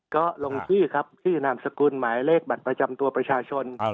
ก็ลงชื่อครับชื่อนามสกุลหมายเลขบัตรประจำตัวประชาชน